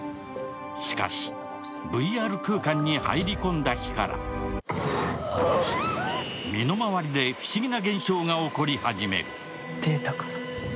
しかし、ＶＲ空間に入り込んだ日から身の回りで不思議な現象が起こり始める。